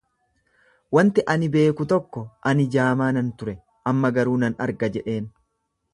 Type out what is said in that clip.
Wanti ani beeku tokko, ani jaamaa nan ture, amma garuu nan arga jedheen.